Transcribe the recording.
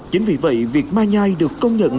chính vì vậy việc ma nhai được công nhận